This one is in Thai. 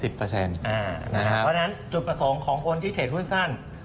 เพราะฉะนั้นจุดประสงค์ของคนที่เทรดหุ้นสั้น